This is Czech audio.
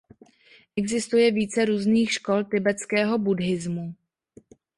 Existuje více různých škol tibetského buddhismu.